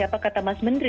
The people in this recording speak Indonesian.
apa kata mas menteri